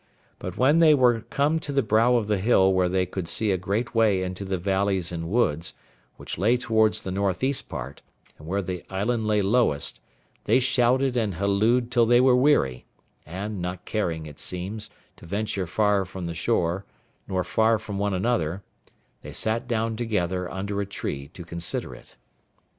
But when they were come to the brow of the hill where they could see a great way into the valleys and woods, which lay towards the north east part, and where the island lay lowest, they shouted and hallooed till they were weary; and not caring, it seems, to venture far from the shore, nor far from one another, they sat down together under a tree to consider it.